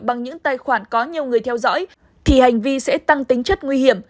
bằng những tài khoản có nhiều người theo dõi thì hành vi sẽ tăng tính chất nguy hiểm